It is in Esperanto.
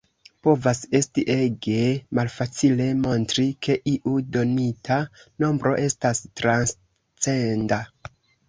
Povas esti ege malfacile montri ke iu donita nombro estas transcenda.